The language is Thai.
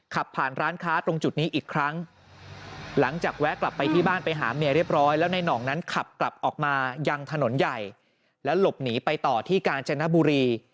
ขับผ่านร้านค้าตรงจุดนี้อีกครั้งหลังจากแวะกลับไปที่บ้านไปหาเมียเรียบร้อยแล้วในหน่องนั้นขับกลับออกมายังถนนใหญ่แล้วหลบหนีไปต่อที่กาญจนบุรี